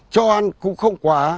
cho ăn cũng không quá